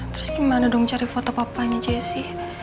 terus gimana dong cari foto papanya jessi